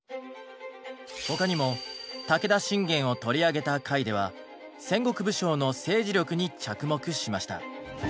他にも武田信玄を取り上げた回では戦国武将の政治力に着目しました。